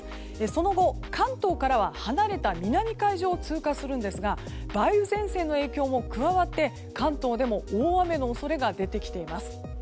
その後、関東からは離れた南海上を通過するんですが梅雨前線の影響も加わって関東でも大雨の恐れが出てきています。